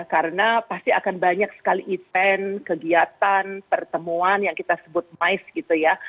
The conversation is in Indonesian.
karena pasti akan banyak sekali event kegiatan pertemuan yang kita sebut mais gitu ya